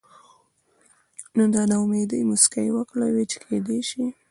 نو د نا امېدۍ مسکا يې وکړه وې چې کېدے شي